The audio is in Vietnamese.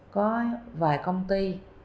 có vài công ty